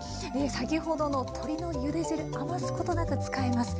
先ほどの鶏のゆで汁余すことなく使えます。